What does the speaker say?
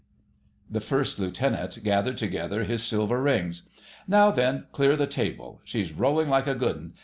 The First Lieutenant gathered together his silver rings. "Now then, clear the table. She's rolling like a good 'un.